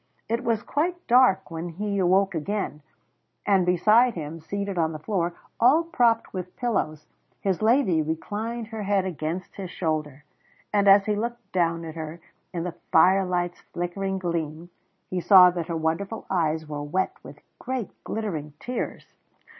It was quite dark when he awoke again, and beside him seated on the floor, all propped with pillows, his lady reclined her head against his shoulder. And as he looked down at her in the firelight's flickering gleam, he saw that her wonderful eyes were wet with great glittering tears.